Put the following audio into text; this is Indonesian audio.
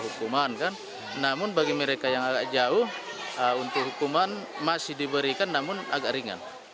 hukuman kan namun bagi mereka yang agak jauh untuk hukuman masih diberikan namun agak ringan